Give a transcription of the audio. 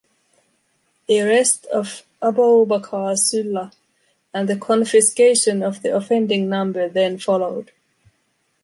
The arrest of Aboubacar Sylla and the confiscation of the offending number then followed.